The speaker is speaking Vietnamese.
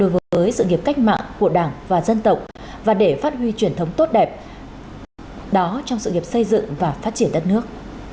đối với sự nghiệp cách mạng của đảng và dân tộc và để phát huy truyền thống tốt đẹp đó trong sự nghiệp xây dựng và phát triển đất nước